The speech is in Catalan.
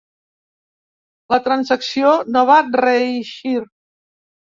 La transacció no va reeixir.